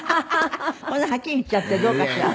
こんなはっきり言っちゃってどうかしら？